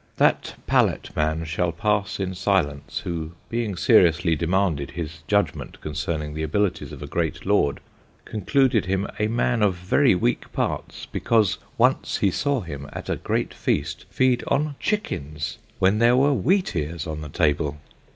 That Palate man shall pass in silence, who, being seriously demanded his judgment concerning the abilities of a great Lord, concluded him a man of very weak parts, 'because once he saw him, at a great Feast, feed on CHICKENS when there were WHEATEARS on the Table.'